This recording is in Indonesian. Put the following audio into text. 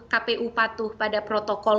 kpu patuh pada protokol